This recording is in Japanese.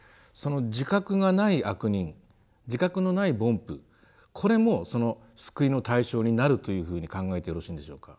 自覚がない「悪人」自覚のない「凡夫」これもその救いの対象になるというふうに考えてよろしいんでしょうか？